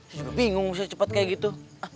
saya juga bingung saya cepet kayak gitu